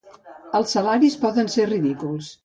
Els salaris poden ser ridículs.